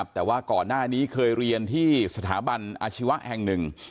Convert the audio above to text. แต่ว่าก่อนหน้านี้เคยเรียนที่สถาบันอาชีวะแห่งหนึ่ง